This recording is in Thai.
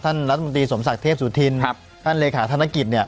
ท่านรัฐมนตรีสมศักดิ์เทพสุธินครับท่านเลขาธนกิจเนี่ย